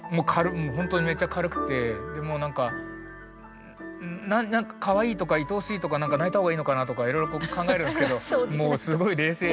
ほんとにめちゃ軽くてもうなんかかわいいとか愛おしいとかなんか泣いた方がいいのかなとかいろいろ考えるんですけどすごい冷静で。